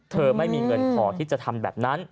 ไม่มีเงินพอที่จะทำแบบนั้น